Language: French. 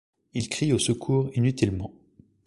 Il crie au secours inutilement.